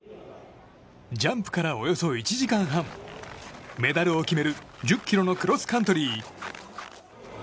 ジャンプからおよそ１時間半メダルを決める１０ｋｍのクロスカントリー。